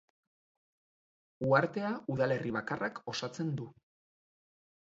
Uhartea udalerri bakarrak osatzen du.